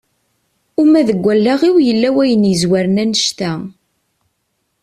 Uma deg wallaɣ-iw yella wayen yezwaren annect-a.